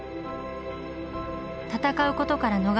戦うことから逃れ